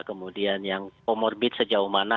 kemudian yang comorbid sejauh mana